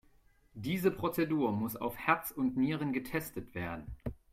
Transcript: Diese Prozedur muss auf Herz und Nieren getestet werden.